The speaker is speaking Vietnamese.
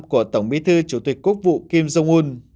của tổng bí thư chủ tịch quốc hội kim jong un